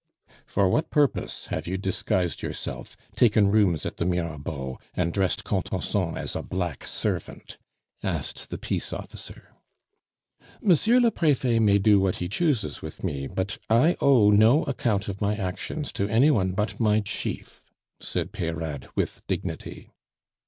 "For what purpose have you disguised yourself, taken rooms at the Mirabeau, and dressed Contenson as a black servant?" asked the peace officer. "Monsieur le Prefet may do what he chooses with me, but I owe no account of my actions to any one but my chief," said Peyrade with dignity.